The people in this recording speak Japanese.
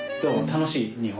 楽しい？日本。